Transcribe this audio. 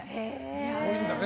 すごいんだね。